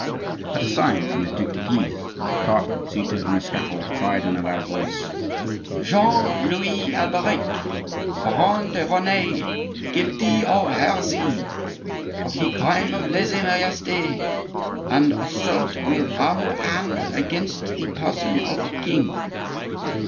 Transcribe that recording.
At a sign from the Duc de Guise, the clerk seated on the scaffold cried in a loud voice:— "Jean Louis Alberic, Baron de Raunay, guilty of heresy, of the crime of lese majeste, and assault with armed hand against the person of the king."